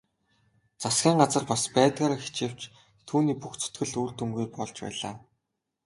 Засгийн газар бас байдгаараа хичээвч түүний бүх зүтгэл үр дүнгүй болж байлаа.